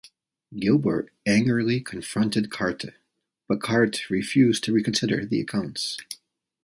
Gilbert angrily confronted Carte, but Carte refused to reconsider the accounts.